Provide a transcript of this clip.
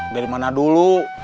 dari mana dulu